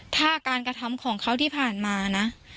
ถ้าการกระทำของเขาที่ผ่านมานะ